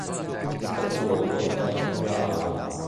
Il capoluogo è Gao.